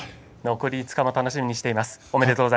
残り５日も楽しみにしています。